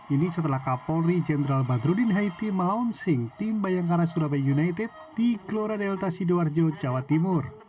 ini setelah kapolri jenderal badrudin haiti melaunching tim bayangkara surabaya united di glora delta sidoarjo jawa timur